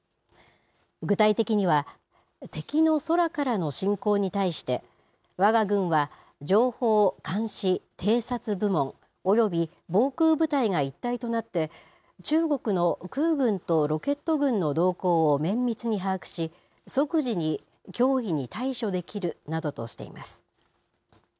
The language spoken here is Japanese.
具体的には、敵の空からの侵攻に対して、わが軍は、情報、監視、偵察部門、および防空部隊が一体となって、中国の空軍とロケット軍の動向を綿密に把握し、即時に脅威に対処できるなどとしています。